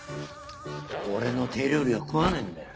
俺の手料理は食わないんだよ。